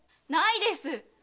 ないです。